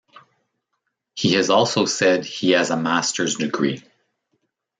He has also said he has a master's degree.